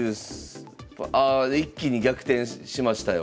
ああ一気に逆転しましたよ。